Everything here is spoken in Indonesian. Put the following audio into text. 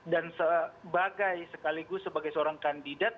dan sebagai sekaligus sebagai seorang kandidat